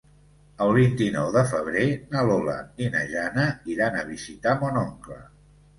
El vint-i-nou de febrer na Lola i na Jana iran a visitar mon oncle.